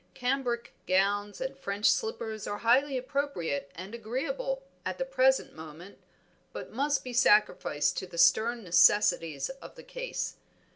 Cambric gowns and French slippers are highly appropriate and agreeable at the present moment, but must be sacrificed to the stern necessities of the case.